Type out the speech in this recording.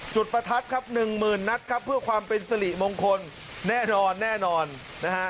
จุดประทัดครับ๑๐๐๐๐นักครับเพื่อความเป็นสลิมงคลแน่นอนนะฮะ